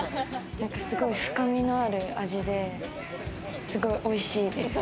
すごい深みのある味で、すごいおいしいです。